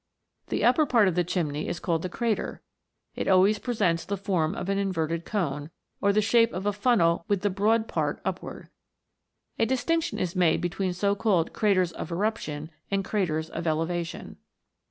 The upper part of the chimney is called the crater ; it always presents the form of an inverted cone, or the shape of a funnel with the broad part upward. A distinction is made between so called craters of eruption and craters of elevation.